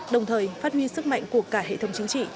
đồng thời phát huy sức mạnh của cả hệ thống chính trị